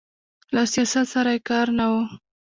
له سیاست سره یې کار نه و.